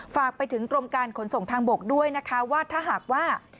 ฝากไปถึงกรมการขนส่งทางบกด้วยนะคะว่าถ้าหากว่า